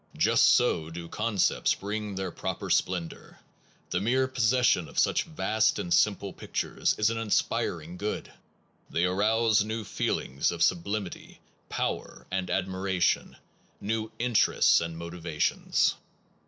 Just so do concepts bring their proper splendor. The mere pos session of such vast and simple pictures is an inspiring good: they arouse new feelings of sublimity, power, and admiration, new inter ests and motivations.